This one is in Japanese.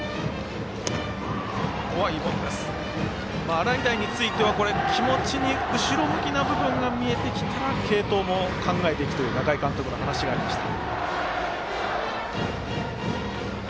洗平については気持ちに後ろ向きな部分が見えてきたら継投も考えていくという仲井監督の話がありました。